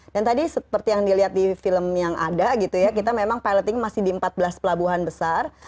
dan tadi seperti yang dilihat di film yang ada kita memang piloting masih di empat belas pelabuhan besar